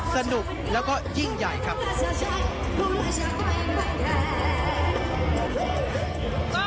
สนุกแล้วก็ยิ่งใหญ่ครับ